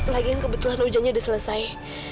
lagian kebetulan hujannya udah selesai